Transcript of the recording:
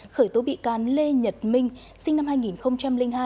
khởi tố bị can lê nhật minh sinh năm hai nghìn hai